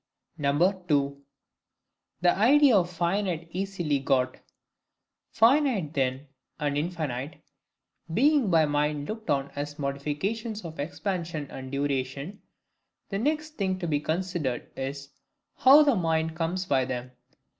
2. The Idea of Finite easily got. Finite then, and infinite, being by the mind looked on as MODIFICATIONS of expansion and duration, the next thing to be considered, is,—HOW THE MIND COMES BY THEM.